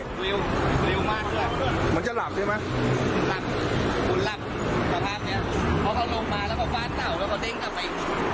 พอเขาร่มมาแล้วก็ฟ้าเต่าแล้วก็ดิ้งเข้าไป